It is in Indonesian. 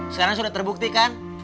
sekarang sudah terbuktikan